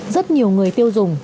rất nhiều người tiêu dùng